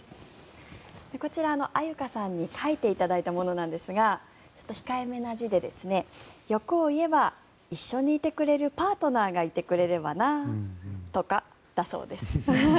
こちら、愛柚香さんに書いていただいたものなんですが控えめな字で、欲を言えば一緒にいてくれるパートナーがいてくれればなとかだそうです。